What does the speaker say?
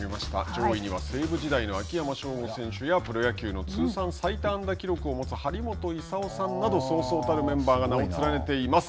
上位には西武時代の秋山翔吾選手やプロ野球の通算最多安打記録を持つ張本勲さんなどそうそうたるメンバーが名を連ねています。